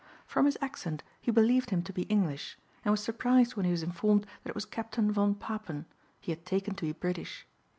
From his accent he believed him to be English and was surprised when he was informed that it was Captain von Papen he had taken to be British.